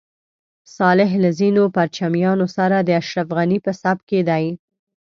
صالح له ځینو پرچمیانو سره د اشرف غني په صف کې دی.